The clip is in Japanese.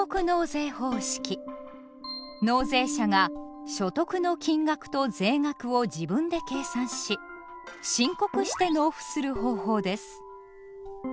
納税者が所得の金額と税額を自分で計算し申告して納付する方法です。